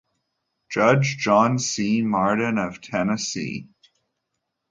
Judge, John C. Martin of Tennessee.